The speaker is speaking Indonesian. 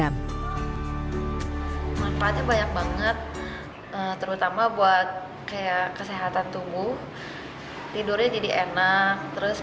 manfaatnya banyak banget terutama buat kayak kesehatan tubuh tidurnya jadi enak terus